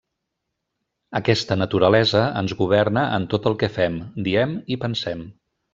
Aquesta naturalesa ens governa en tot el que fem, diem i pensem.